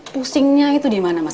pusingnya itu dimana mas